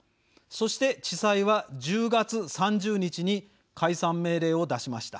そして、地裁は１０月３０日に解散命令を出しました。